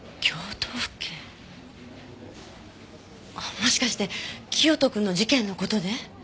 もしかして清人くんの事件の事で？